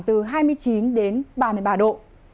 từ hai mươi chín đến ba mươi ba độ